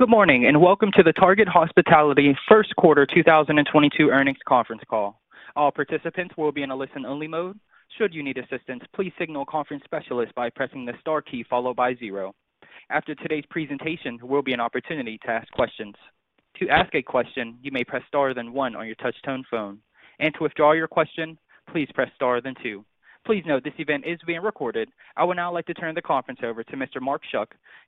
Good morning, and welcome to the Target Hospitality First Quarter 2022 Earnings Conference Call. All participants will be in a listen-only mode. Should you need assistance, please signal a conference specialist by pressing the star key followed by zero. After today's presentation, there will be an opportunity to ask questions. To ask a question, you may press star then one on your touch-tone phone. To withdraw your question, please press star then two. Please note this event is being recorded. I would now like to turn the conference over to Mr. Mark Schuck,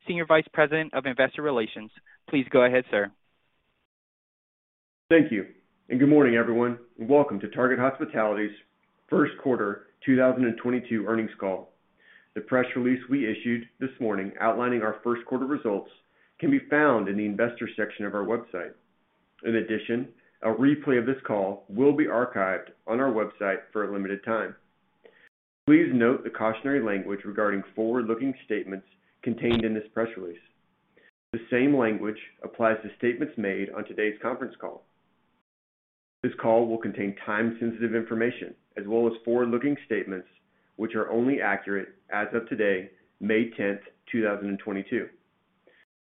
Senior Vice President of Investor Relations. Please go ahead, sir. Thank you, and good morning, everyone, and welcome to Target Hospitality's First Quarter 2022 earnings call. The press release we issued this morning outlining our first quarter results can be found in the investor section of our website. In addition, a replay of this call will be archived on our website for a limited time. Please note the cautionary language regarding forward-looking statements contained in this press release. The same language applies to statements made on today's conference call. This call will contain time-sensitive information as well as forward-looking statements, which are only accurate as of today, May 10th, 2022.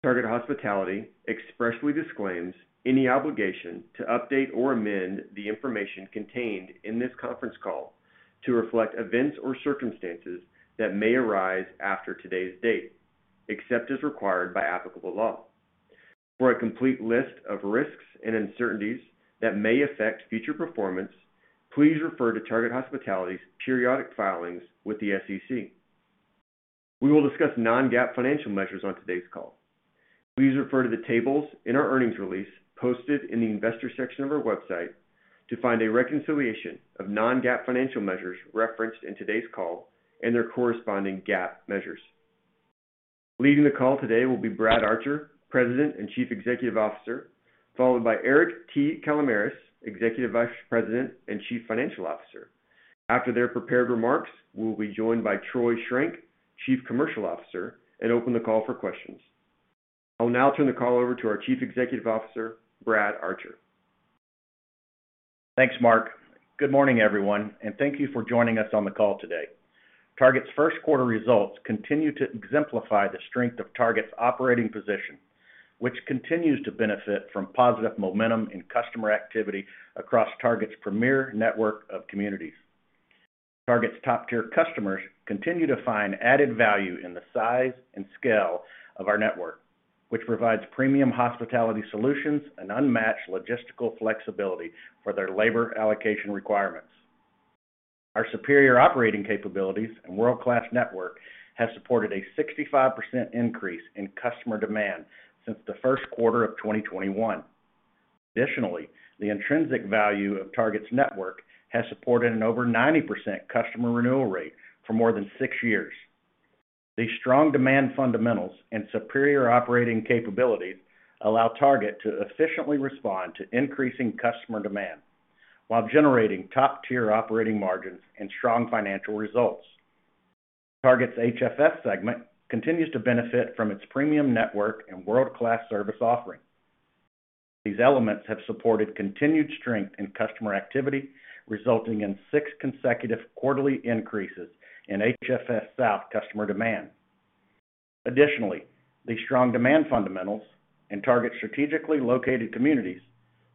Target Hospitality expressly disclaims any obligation to update or amend the information contained in this conference call to reflect events or circumstances that may arise after today's date, except as required by applicable law. For a complete list of risks and uncertainties that may affect future performance, please refer to Target Hospitality's periodic filings with the SEC. We will discuss non-GAAP financial measures on today's call. Please refer to the tables in our earnings release posted in the investor section of our website to find a reconciliation of non-GAAP financial measures referenced in today's call and their corresponding GAAP measures. Leading the call today will be Brad Archer, President and Chief Executive Officer, followed by Eric T. Kalamaras, Executive Vice President and Chief Financial Officer. After their prepared remarks, we will be joined by Troy Schrenk, Chief Commercial Officer, and open the call for questions. I will now turn the call over to our Chief Executive Officer, Brad Archer. Thanks, Mark. Good morning, everyone, and thank you for joining us on the call today. Target's first quarter results continue to exemplify the strength of Target's operating position, which continues to benefit from positive momentum in customer activity across Target's premier network of communities. Target's top-tier customers continue to find added value in the size and scale of our network, which provides premium hospitality solutions and unmatched logistical flexibility for their labor allocation requirements. Our superior operating capabilities and world-class network have supported a 65% increase in customer demand since the first quarter of 2021. Additionally, the intrinsic value of Target's network has supported an over 90% customer renewal rate for more than six years. These strong demand fundamentals and superior operating capabilities allow Target to efficiently respond to increasing customer demand while generating top-tier operating margins and strong financial results. Target's HFS segment continues to benefit from its premium network and world-class service offering. These elements have supported continued strength in customer activity, resulting in six consecutive quarterly increases in HFS South customer demand. Additionally, these strong demand fundamentals and Target's strategically located communities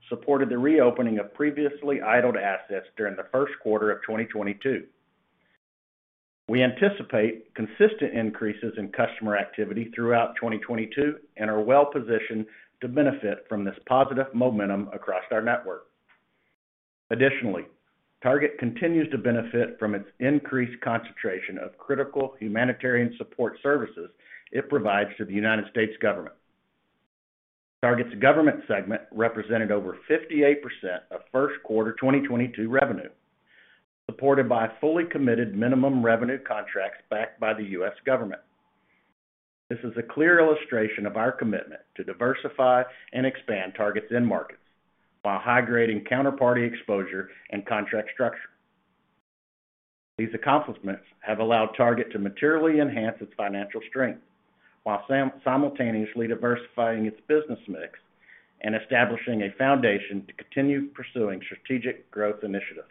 supported the reopening of previously idled assets during the first quarter of 2022. We anticipate consistent increases in customer activity throughout 2022 and are well positioned to benefit from this positive momentum across our network. Additionally, Target continues to benefit from its increased concentration of critical humanitarian support services it provides to the United States government. Target's government segment represented over 58% of first quarter 2022 revenue, supported by fully committed minimum revenue contracts backed by the U.S. government. This is a clear illustration of our commitment to diversify and expand Target's end markets while high-grading counterparty exposure and contract structure. These accomplishments have allowed Target to materially enhance its financial strength while simultaneously diversifying its business mix and establishing a foundation to continue pursuing strategic growth initiatives.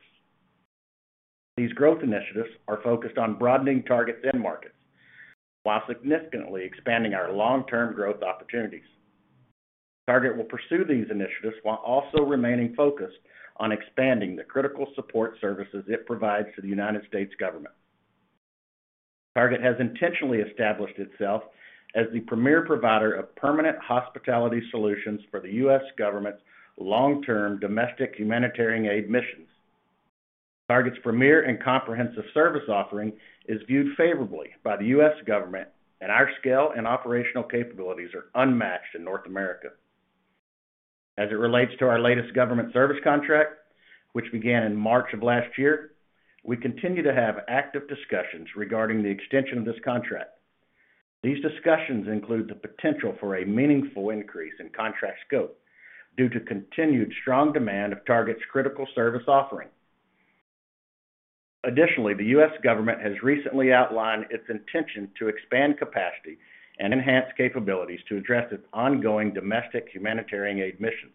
These growth initiatives are focused on broadening Target's end markets while significantly expanding our long-term growth opportunities. Target will pursue these initiatives while also remaining focused on expanding the critical support services it provides to the United States government. Target has intentionally established itself as the premier provider of permanent hospitality solutions for the U.S. government's long-term domestic humanitarian aid missions. Target's premier and comprehensive service offering is viewed favorably by the U.S. government, and our scale and operational capabilities are unmatched in North America. As it relates to our latest government service contract, which began in March of last year, we continue to have active discussions regarding the extension of this contract. These discussions include the potential for a meaningful increase in contract scope due to continued strong demand of Target's critical service offering. Additionally, the U.S. government has recently outlined its intention to expand capacity and enhance capabilities to address its ongoing domestic humanitarian aid missions.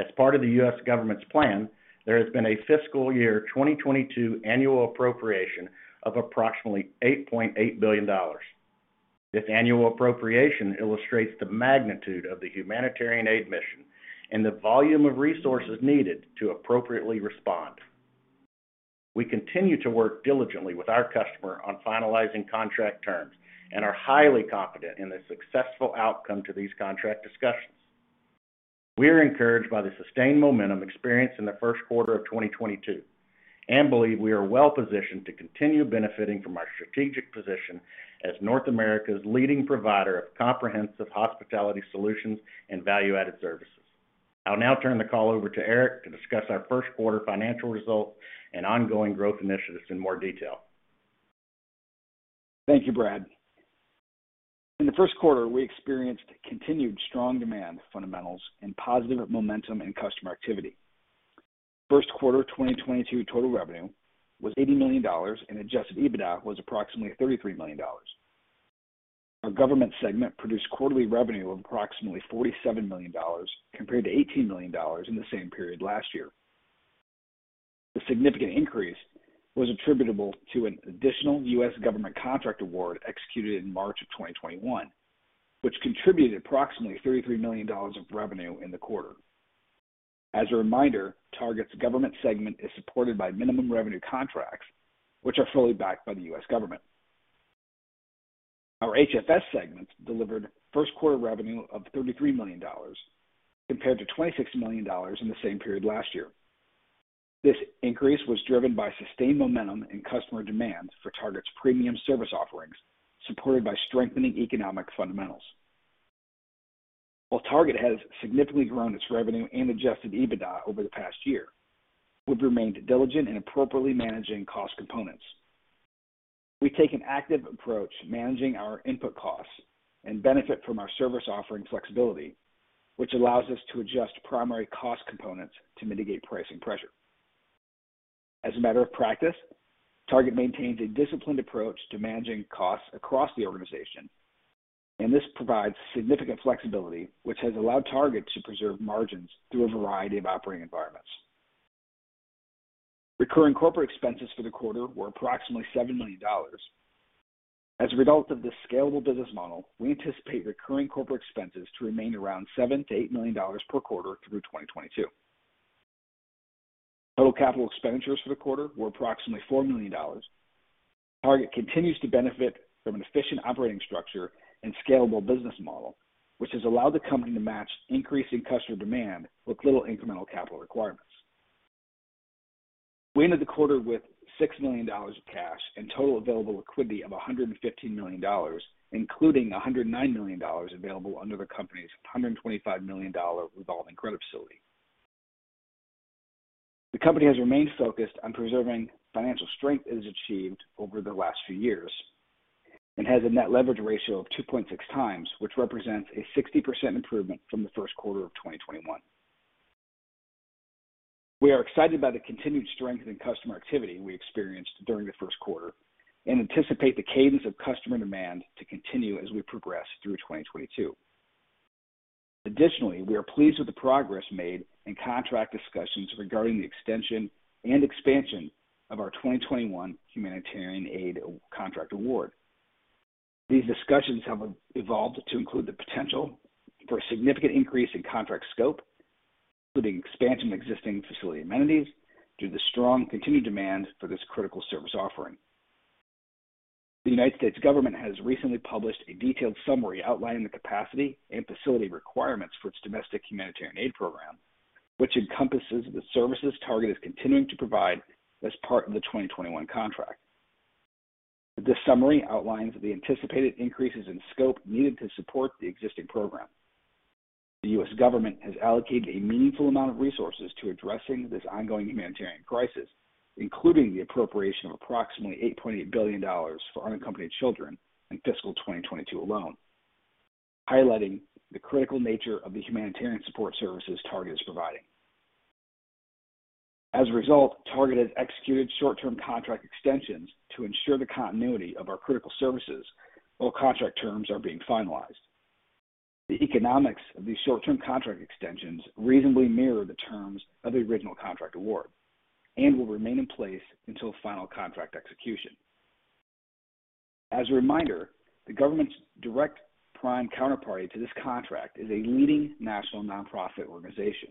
As part of the U.S. government's plan, there has been a fiscal year 2022 annual appropriation of approximately $8.8 billion. This annual appropriation illustrates the magnitude of the humanitarian aid mission and the volume of resources needed to appropriately respond. We continue to work diligently with our customer on finalizing contract terms and are highly confident in the successful outcome to these contract discussions. We are encouraged by the sustained momentum experienced in the first quarter of 2022, and believe we are well-positioned to continue benefiting from our strategic position as North America's leading provider of comprehensive hospitality solutions and value-added services. I'll now turn the call over to Eric to discuss our first quarter financial results and ongoing growth initiatives in more detail. Thank you, Brad. In the first quarter, we experienced continued strong demand fundamentals and positive momentum in customer activity. First quarter 2022 total revenue was $80 million, and adjusted EBITDA was approximately $33 million. Our government segment produced quarterly revenue of approximately $47 million compared to $18 million in the same period last year. The significant increase was attributable to an additional U.S. government contract award executed in March 2021, which contributed approximately $33 million of revenue in the quarter. As a reminder, Target's government segment is supported by minimum revenue contracts, which are fully backed by the U.S. government. Our HFS segment delivered first quarter revenue of $33 million compared to $26 million in the same period last year. This increase was driven by sustained momentum in customer demand for Target's premium service offerings, supported by strengthening economic fundamentals. While Target has significantly grown its revenue and adjusted EBITDA over the past year, we've remained diligent in appropriately managing cost components. We take an active approach managing our input costs and benefit from our service offering flexibility, which allows us to adjust primary cost components to mitigate pricing pressure. As a matter of practice, Target maintains a disciplined approach to managing costs across the organization, and this provides significant flexibility, which has allowed Target to preserve margins through a variety of operating environments. Recurring corporate expenses for the quarter were approximately $7 million. As a result of this scalable business model, we anticipate recurring corporate expenses to remain around $7 million-$8 million per quarter through 2022. Total capital expenditures for the quarter were approximately $4 million. Target continues to benefit from an efficient operating structure and scalable business model, which has allowed the company to match increasing customer demand with little incremental capital requirements. We ended the quarter with $6 million of cash and total available liquidity of $115 million, including $109 million available under the company's $125 million revolving credit facility. The company has remained focused on preserving financial strength it has achieved over the last few years and has a net leverage ratio of 2.6x, which represents a 60% improvement from the first quarter of 2021. We are excited by the continued strength in customer activity we experienced during the first quarter and anticipate the cadence of customer demand to continue as we progress through 2022. Additionally, we are pleased with the progress made in contract discussions regarding the extension and expansion of our 2021 humanitarian aid contract award. These discussions have evolved to include the potential for a significant increase in contract scope, including expansion of existing facility amenities, due to the strong continued demand for this critical service offering. The United States government has recently published a detailed summary outlining the capacity and facility requirements for its domestic humanitarian aid program, which encompasses the services Target is continuing to provide as part of the 2021 contract. This summary outlines the anticipated increases in scope needed to support the existing program. The U.S. government has allocated a meaningful amount of resources to addressing this ongoing humanitarian crisis, including the appropriation of approximately $8.8 billion for unaccompanied children in fiscal 2022 alone, highlighting the critical nature of the humanitarian support services Target is providing. As a result, Target has executed short-term contract extensions to ensure the continuity of our critical services while contract terms are being finalized. The economics of these short-term contract extensions reasonably mirror the terms of the original contract award and will remain in place until final contract execution. As a reminder, the government's direct prime counterparty to this contract is a leading national nonprofit organization.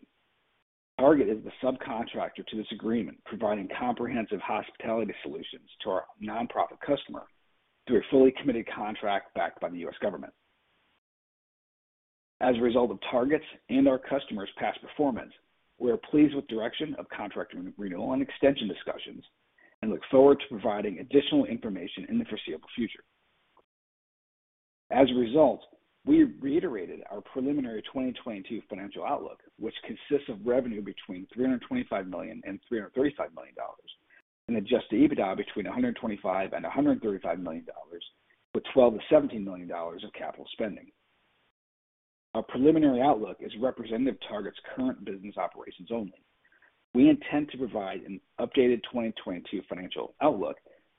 Target is the subcontractor to this agreement, providing comprehensive hospitality solutions to our nonprofit customer through a fully committed contract backed by the U.S. government. As a result of Target's and our customers' past performance, we are pleased with direction of contract renewal and extension discussions and look forward to providing additional information in the foreseeable future. As a result, we reiterated our preliminary 2022 financial outlook, which consists of revenue between $325 million and $335 million, and adjusted EBITDA between $125 million and $135 million, with $12 million-$17 million of capital spending. Our preliminary outlook is representative of Target's current business operations only. We intend to provide an updated 2022 financial outlook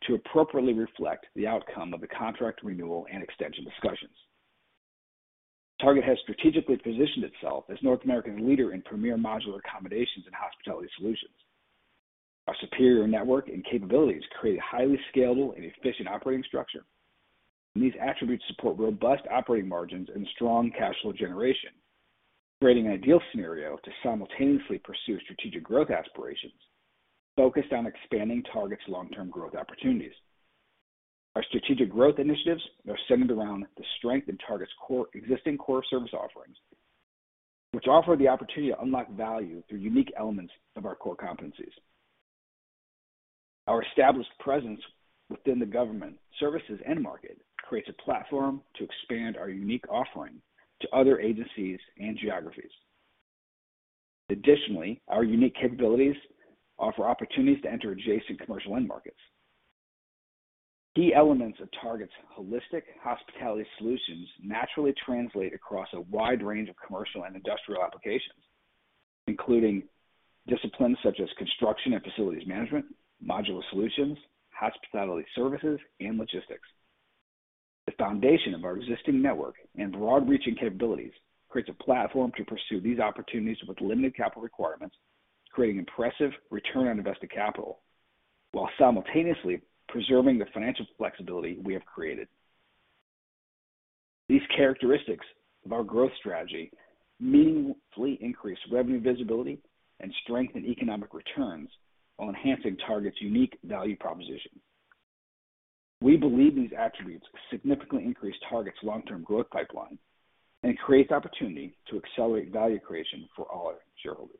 to appropriately reflect the outcome of the contract renewal and extension discussions. Target has strategically positioned itself as North American leader in premier modular accommodations and hospitality solutions. Our superior network and capabilities create a highly scalable and efficient operating structure. These attributes support robust operating margins and strong cash flow generation, creating an ideal scenario to simultaneously pursue strategic growth aspirations focused on expanding Target's long-term growth opportunities. Our strategic growth initiatives are centered around the strength in Target's core, existing core service offerings, which offer the opportunity to unlock value through unique elements of our core competencies. Our established presence within the government services end market creates a platform to expand our unique offering to other agencies and geographies. Additionally, our unique capabilities offer opportunities to enter adjacent commercial end markets. Key elements of Target's holistic hospitality solutions naturally translate across a wide range of commercial and industrial applications, including disciplines such as construction and facilities management, modular solutions, hospitality services, and logistics. The foundation of our existing network and broad-reaching capabilities creates a platform to pursue these opportunities with limited capital requirements, creating impressive return on invested capital while simultaneously preserving the financial flexibility we have created. These characteristics of our growth strategy meaningfully increase revenue visibility and strengthen economic returns while enhancing Target's unique value proposition. We believe these attributes significantly increase Target's long-term growth pipeline and creates opportunity to accelerate value creation for all our shareholders.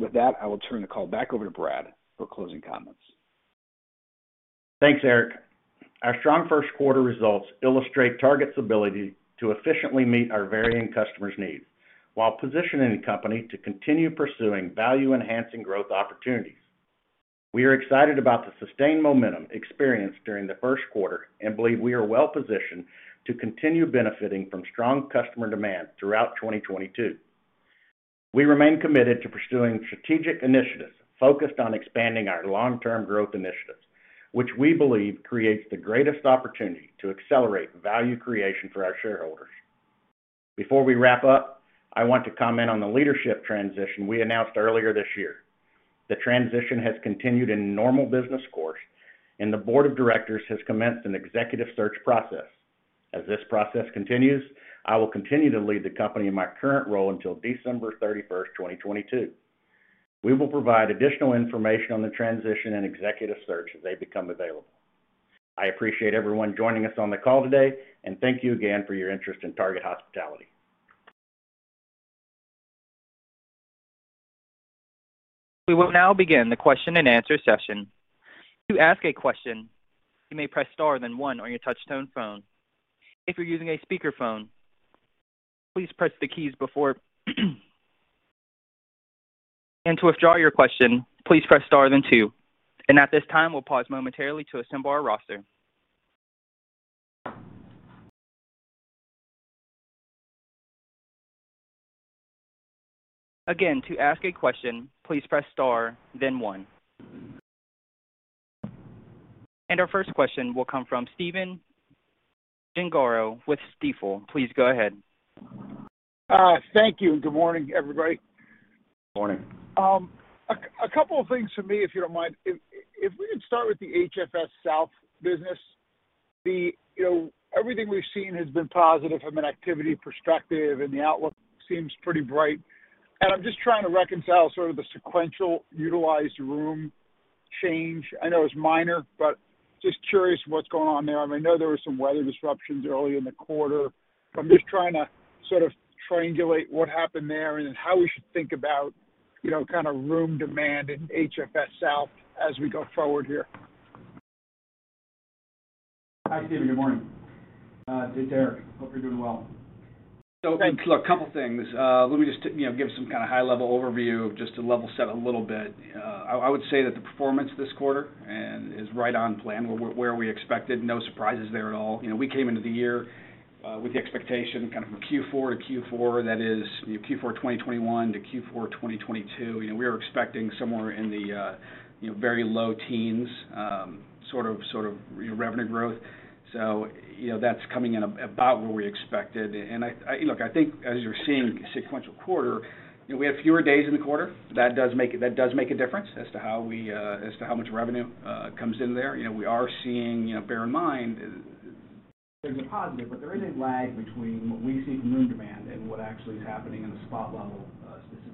With that, I will turn the call back over to Brad for closing comments. Thanks, Eric. Our strong first quarter results illustrate Target's ability to efficiently meet our varying customers' needs while positioning the company to continue pursuing value-enhancing growth opportunities. We are excited about the sustained momentum experienced during the first quarter and believe we are well positioned to continue benefiting from strong customer demand throughout 2022. We remain committed to pursuing strategic initiatives focused on expanding our long-term growth initiatives, which we believe creates the greatest opportunity to accelerate value creation for our shareholders. Before we wrap up, I want to comment on the leadership transition we announced earlier this year. The transition has continued in normal business course, and the board of directors has commenced an executive search process. As this process continues, I will continue to lead the company in my current role until December 31st, 2022. We will provide additional information on the transition and executive search as they become available. I appreciate everyone joining us on the call today, and thank you again for your interest in Target Hospitality. We will now begin the question-and-answer session. To ask a question, you may press star then one on your touch tone phone. If you're using a speakerphone, please press the keys before. To withdraw your question, please press star then two. At this time, we'll pause momentarily to assemble our roster. Again, to ask a question, please press star then one. Our first question will come from Stephen Gengaro with Stifel. Please go ahead. Thank you. Good morning, everybody. Morning. A couple of things for me, if you don't mind. If we could start with the HFS South business. You know, everything we've seen has been positive from an activity perspective, and the outlook seems pretty bright. I'm just trying to reconcile sort of the sequential utilized room change. I know it's minor, but just curious what's going on there. I mean, I know there were some weather disruptions early in the quarter. I'm just trying to sort of triangulate what happened there and how we should think about, you know, kind of room demand in HFS South as we go forward here. Hi, Stephen. Good morning. Hey, Eric. Hope you're doing well. Look, couple things. Let me just, you know, give some kind of high level overview just to level set a little bit. I would say that the performance this quarter is right on plan. We're where we expected. No surprises there at all. You know, we came into the year with the expectation kind of from Q4 to Q4, that is Q4 2021 to Q4 2022. You know, we were expecting somewhere in the very low teens% sort of revenue growth. You know, that's coming in about where we expected. Look, I think as you're seeing sequential quarter, you know, we have fewer days in the quarter. That does make a difference as to how much revenue comes in there. You know, we are seeing, you know, bear in mind there's a positive, but there is a lag between what we see from room demand and what actually is happening in the spot level system.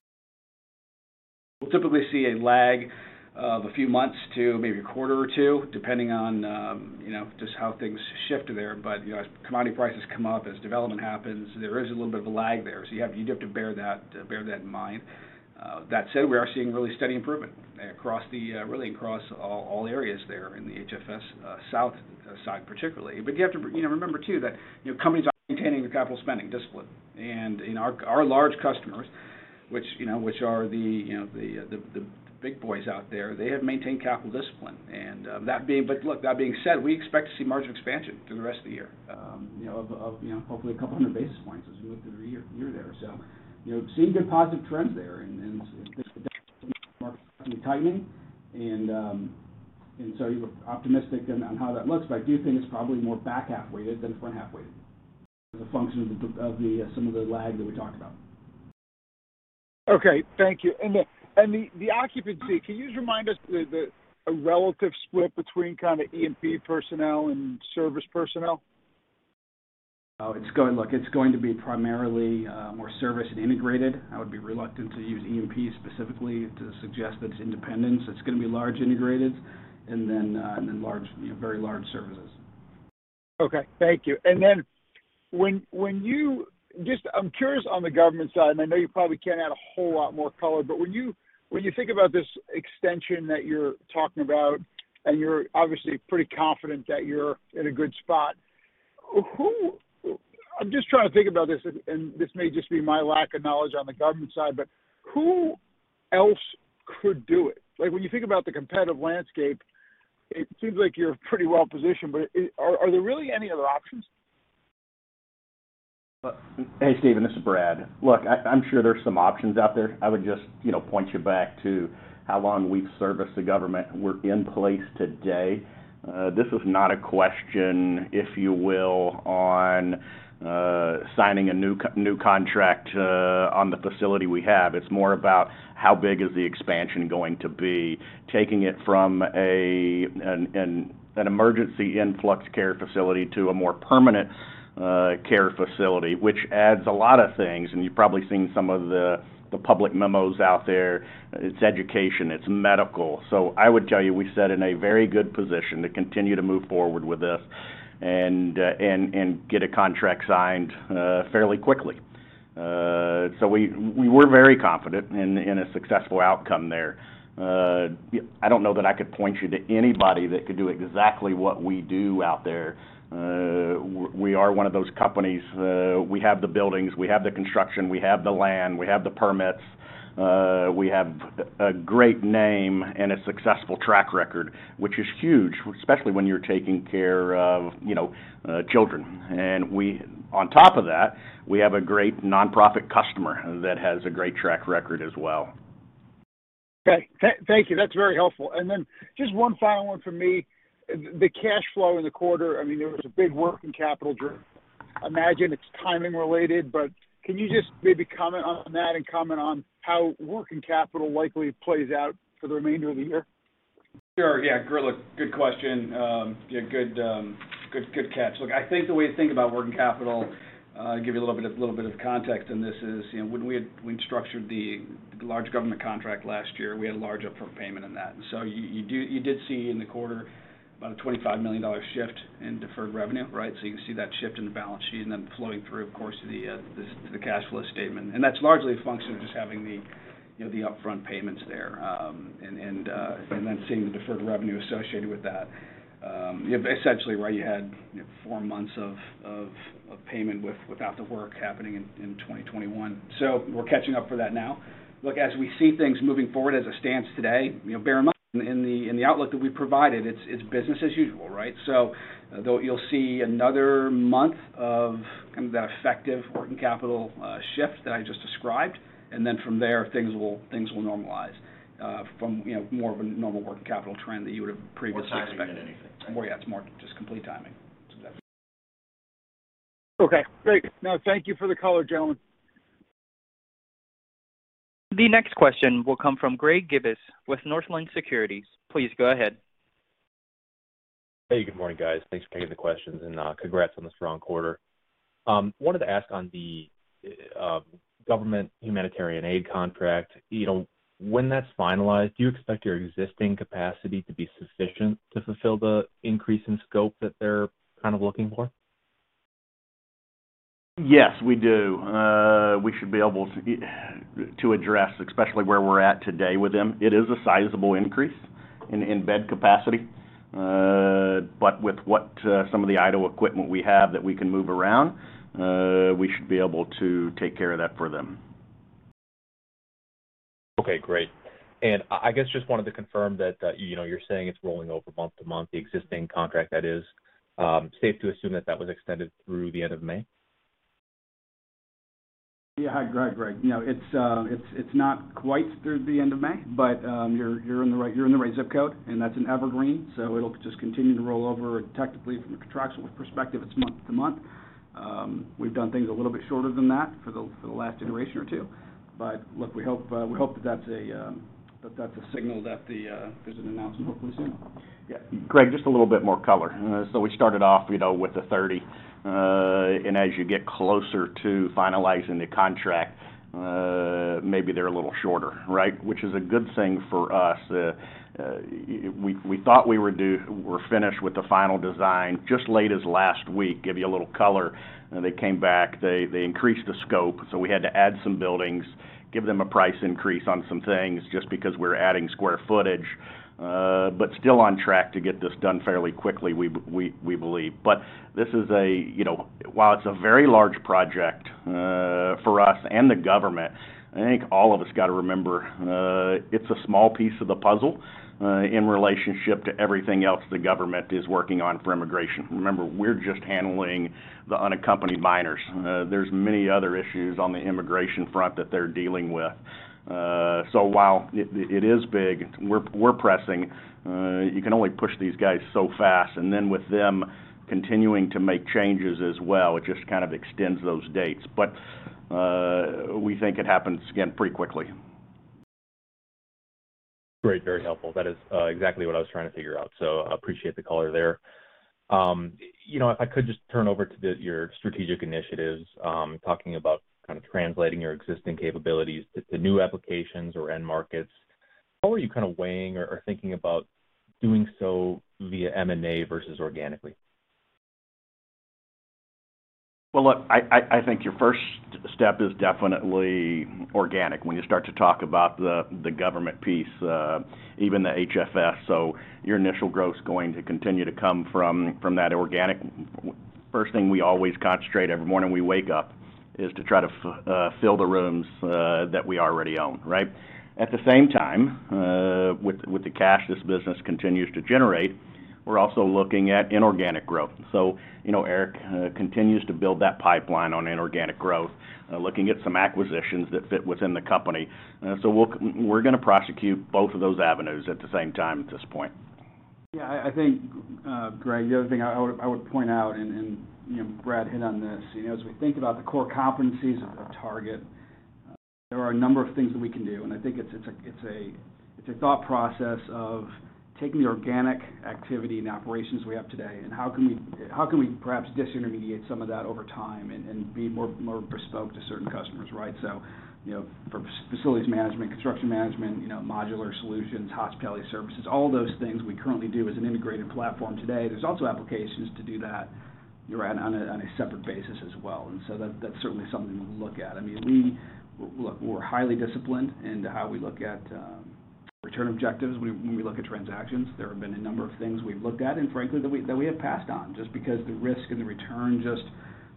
We'll typically see a lag of a few months to maybe a quarter or two, depending on, you know, just how things shift there. You know, as commodity prices come up, as development happens, there is a little bit of a lag there. You do have to bear that in mind. That said, we are seeing really steady improvement really across all areas there in the HFS South side particularly. You have to, you know, remember too that, you know, companies are maintaining their capital spending discipline. You know, our large customers, which are the big boys out there, they have maintained capital discipline. Look, that being said, we expect to see margin expansion through the rest of the year, you know, of hopefully a couple hundred basis points as we look through the year there. You know, seeing good positive trends there and just tightening. You were optimistic on how that looks, but I do think it's probably more back half-weighted than front half-weighted as a function of some of the lag that we talked about. Okay. Thank you. The occupancy, can you just remind us a relative split between kinda E&P personnel and service personnel? Oh, it's going. Look, it's going to be primarily, more service and integrated. I would be reluctant to use E&P specifically to suggest that it's independent. It's gonna be large integrated and then large, you know, very large services. Okay. Thank you. Just, I'm curious on the government side, and I know you probably can't add a whole lot more color, but when you think about this extension that you're talking about, and you're obviously pretty confident that you're in a good spot, who. I'm just trying to think about this, and this may just be my lack of knowledge on the government side, but who else could do it? Like, when you think about the competitive landscape, it seems like you're pretty well positioned, but are there really any other options? Hey, Stephen, this is Brad. Look, I'm sure there's some options out there. I would just, you know, point you back to how long we've serviced the government. We're in place today. This is not a question, if you will, on signing a new contract on the facility we have. It's more about how big is the expansion going to be, taking it from an emergency influx care facility to a more permanent care facility, which adds a lot of things. You've probably seen some of the public memos out there. It's education, it's medical. I would tell you, we sit in a very good position to continue to move forward with this and get a contract signed fairly quickly. We're very confident in a successful outcome there. I don't know that I could point you to anybody that could do exactly what we do out there. We are one of those companies. We have the buildings. We have the construction. We have the land. We have the permits. We have a great name and a successful track record, which is huge, especially when you're taking care of, you know, children. We have a great nonprofit customer that has a great track record as well. Okay. Thank you. That's very helpful. Just one final one from me. The cash flow in the quarter, I mean, there was a big working capital draw. I imagine it's timing related, but can you just maybe comment on that and comment on how working capital likely plays out for the remainder of the year? Sure, yeah. Look, good question. Yeah, good catch. Look, I think the way to think about working capital, give you a little bit of context in this is, you know, we structured the large government contract last year, we had a large upfront payment in that. You did see in the quarter about a $25 million shift in deferred revenue, right? You can see that shift in the balance sheet and then flowing through, of course, to the cash flow statement. That's largely a function of just having the upfront payments there, you know, and then seeing the deferred revenue associated with that. Essentially, right, you had four months of payment without the work happening in 2021. We're catching up for that now. Look, as we see things moving forward as of today, you know, bear in mind in the outlook that we provided, it's business as usual, right? Though you'll see another month of kind of that effective working capital shift that I just described, and then from there, things will normalize from, you know, more of a normal working capital trend that you would have previously expected. More timing than anything. Oh, yeah. It's more just complete timing. Okay, great. No, thank you for the color, gentlemen. The next question will come from Greg Gibas with Northland Securities. Please go ahead. Hey, good morning, guys. Thanks for taking the questions and, congrats on the strong quarter. Wanted to ask on the government humanitarian aid contract. You know, when that's finalized, do you expect your existing capacity to be sufficient to fulfill the increase in scope that they're kind of looking for? Yes, we do. We should be able to address, especially where we're at today with them. It is a sizable increase in bed capacity. With what, some of the idle equipment we have that we can move around, we should be able to take care of that for them. Okay, great. I guess just wanted to confirm that, you know, you're saying it's rolling over month to month, the existing contract that is. Safe to assume that was extended through the end of May? Yeah. Hi, Greg. No, it's not quite through the end of May, but you're in the right zip code, and that's an evergreen, so it'll just continue to roll over. Technically, from the contractual perspective, it's month to month. We've done things a little bit shorter than that for the last iteration or two. Look, we hope that that's a signal that there's an announcement hopefully soon. Yeah. Greg, just a little bit more color. So we started off, you know, with the 30, and as you get closer to finalizing the contract, maybe they're a little shorter, right? Which is a good thing for us. We thought we're finished with the final design just late as last week. Give you a little color. They came back. They increased the scope, so we had to add some buildings, give them a price increase on some things just because we're adding square footage. But still on track to get this done fairly quickly, we believe. But this is a, you know. While it's a very large project, for us and the government, I think all of us got to remember, it's a small piece of the puzzle, in relationship to everything else the government is working on for immigration. Remember, we're just handling the unaccompanied minors. There's many other issues on the immigration front that they're dealing with. So while it is big, we're pressing, you can only push these guys so fast. With them continuing to make changes as well, it just kind of extends those dates. We think it happens, again, pretty quickly. Great. Very helpful. That is exactly what I was trying to figure out, so I appreciate the color there. You know, if I could just turn over to your strategic initiatives, talking about kind of translating your existing capabilities to new applications or end markets. How are you kind of weighing or thinking about doing so via M&A versus organically? Look, I think your first step is definitely organic when you start to talk about the government piece, even the HFS. Your initial growth's going to continue to come from that organic. First thing we always concentrate every morning we wake up is to try to fill the rooms that we already own, right? At the same time, with the cash this business continues to generate, we're also looking at inorganic growth. You know, Eric continues to build that pipeline on inorganic growth, looking at some acquisitions that fit within the company. We're gonna prosecute both of those avenues at the same time at this point. Yeah, I think, Greg, the other thing I would point out, and you know, Brad hit on this. You know, as we think about the core competencies of Target, there are a number of things that we can do. I think it's a thought process of taking the organic activity and operations we have today and how can we perhaps disintermediate some of that over time and be more bespoke to certain customers, right? You know, for facilities management, construction management, you know, modular solutions, hospitality services, all those things we currently do as an integrated platform today. There's also applications to do that, you're right, on a separate basis as well. That, that's certainly something we'll look at. I mean, look, we're highly disciplined in how we look at return objectives when we look at transactions. There have been a number of things we've looked at and frankly, that we have passed on just because the risk and the return just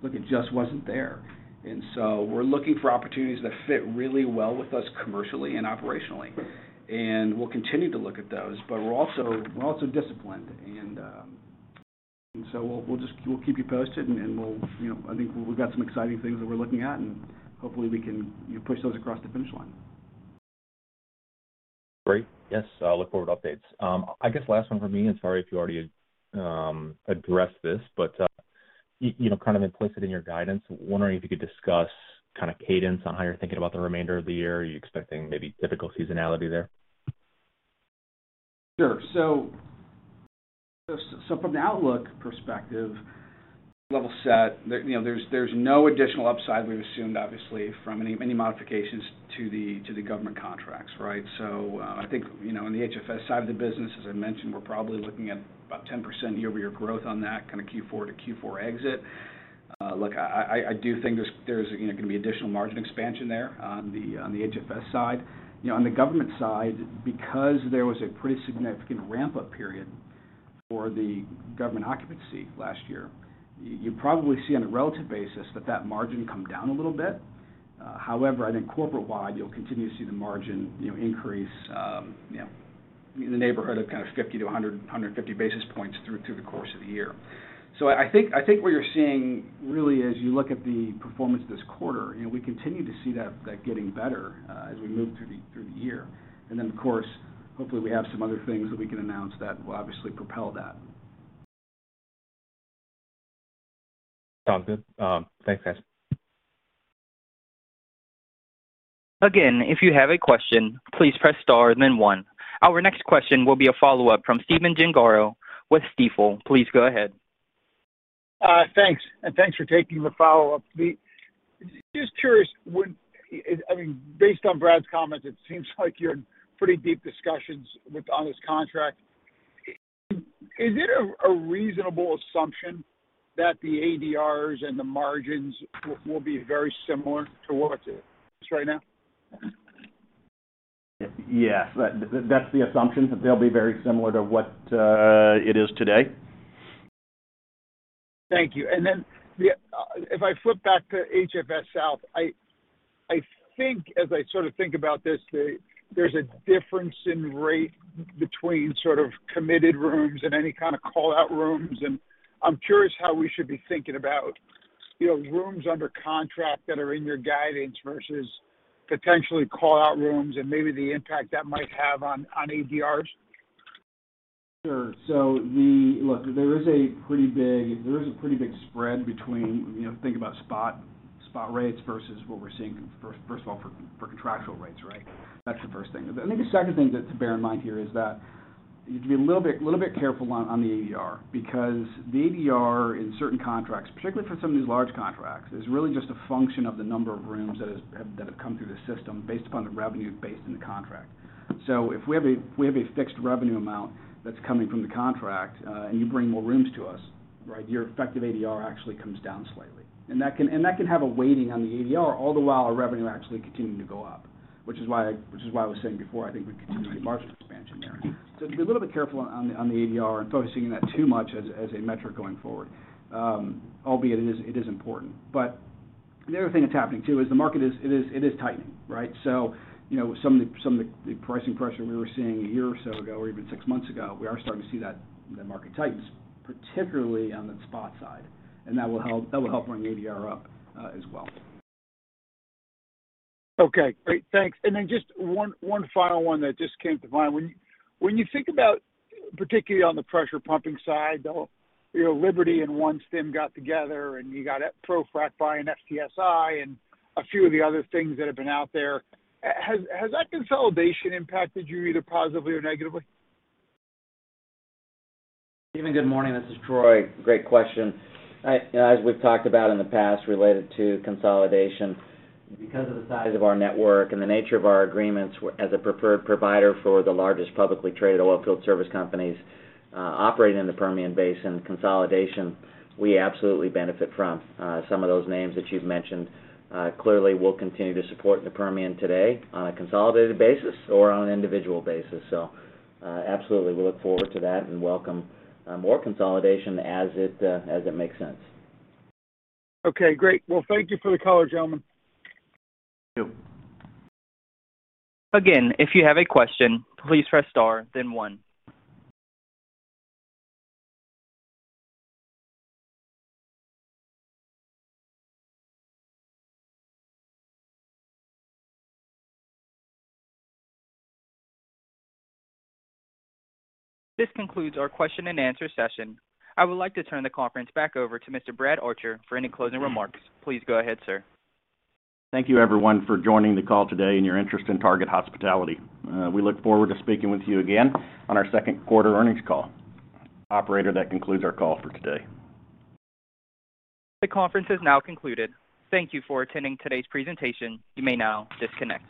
look, it just wasn't there. We're looking for opportunities that fit really well with us commercially and operationally, and we'll continue to look at those. We're also disciplined. We'll just keep you posted and we'll, you know, I think we've got some exciting things that we're looking at, and hopefully we can, you know, push those across the finish line. Great. Yes, I'll look forward to updates. I guess last one from me, and sorry if you already addressed this, but you know, kind of implicit in your guidance, wondering if you could discuss kind of cadence on how you're thinking about the remainder of the year. Are you expecting maybe typical seasonality there? Sure. From the outlook perspective level set, you know, there's no additional upside we've assumed, obviously, from any modifications to the government contracts, right? I think, you know, on the HFS side of the business, as I mentioned, we're probably looking at about 10% year-over-year growth on that kind of Q4 to Q4 exit. Look, I do think there's, you know, gonna be additional margin expansion there on the HFS side. You know, on the government side, because there was a pretty significant ramp-up period for the government occupancy last year, you'll probably see on a relative basis that margin come down a little bit. However, I think corporate wide, you'll continue to see the margin, you know, increase, you know, in the neighborhood of kind of 100-150 basis points through the course of the year. I think what you're seeing really as you look at the performance this quarter, you know, we continue to see that getting better as we move through the year. Then of course, hopefully we have some other things that we can announce that will obviously propel that. Sounds good. Thanks, guys. Again, if you have a question, please press star then one. Our next question will be a follow-up from Stephen Gengaro with Stifel. Please go ahead. Thanks, and thanks for taking the follow-up. Just curious, I mean, based on Brad's comments, it seems like you're in pretty deep discussions on this contract. Is it a reasonable assumption that the ADRs and the margins will be very similar to what it is right now? Yes, that's the assumption that they'll be very similar to what it is today. Thank you. Then if I flip back to HFS South, I think as I sort of think about this, there's a difference in rate between sort of committed rooms and any kind of call-out rooms. I'm curious how we should be thinking about, you know, rooms under contract that are in your guidance versus potentially call-out rooms and maybe the impact that might have on ADRs? Look, there is a pretty big spread between, you know, think about spot rates versus what we're seeing first of all for contractual rates, right? That's the first thing. I think the second thing that to bear in mind here is that you have to be a little bit careful on the ADR. Because the ADR in certain contracts, particularly for some of these large contracts, is really just a function of the number of rooms that have come through the system based upon the revenue based in the contract. If we have a fixed revenue amount that's coming from the contract, and you bring more rooms to us, right? Your effective ADR actually comes down slightly. That can have a weighting on the ADR, all the while our revenue actually continuing to go up. Which is why I was saying before, I think we continue to see margin expansion there. To be a little bit careful on the ADR and focusing on that too much as a metric going forward, albeit it is important. The other thing that's happening too is the market is, it is tightening, right? You know, some of the pricing pressure we were seeing a year or so ago or even six months ago, we are starting to see that the market tightens, particularly on the spot side, and that will help run the ADR up, as well. Okay, great. Thanks. Then just one final one that just came to mind. When you think about particularly on the pressure pumping side, the, you know, Liberty and OneStim got together, and you got ProFrac buying FTSI and a few of the other things that have been out there, has that consolidation impacted you either positively or negatively? Stephen, good morning. This is Troy. Great question. As we've talked about in the past related to consolidation, because of the size of our network and the nature of our agreements as a preferred provider for the largest publicly traded oil field service companies operating in the Permian Basin, consolidation, we absolutely benefit from some of those names that you've mentioned. Clearly, we'll continue to support the Permian today on a consolidated basis or on an individual basis. Absolutely. We look forward to that and welcome more consolidation as it makes sense. Okay, great. Well, thank you for the color, gentlemen. Thank you. Again, if you have a question, please press star then one. This concludes our question-and-answer session. I would like to turn the conference back over to Mr. Brad Archer for any closing remarks. Please go ahead, sir. Thank you everyone for joining the call today and your interest in Target Hospitality. We look forward to speaking with you again on our second quarter earnings call. Operator, that concludes our call for today. The conference is now concluded. Thank you for attending today's presentation. You may now disconnect.